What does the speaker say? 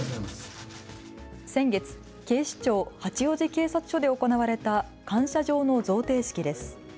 先月、警視庁八王子警察署で行われた感謝状の贈呈式です。